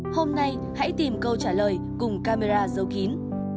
hôm nay hãy tìm câu trả lời cùng camera giấu kín